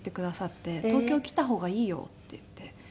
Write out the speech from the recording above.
「東京来た方がいいよ」っていって。